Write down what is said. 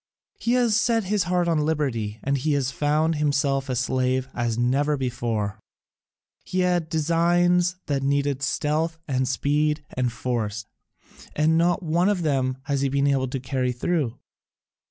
He set his heart on liberty, and he has found himself a slave as never before: he had designs that needed stealth and speed and force, and not one of them has he been able to carry through.